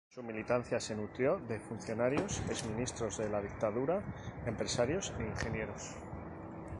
Su militancia se nutrió de funcionarios, exministros de la dictadura, empresarios e ingenieros.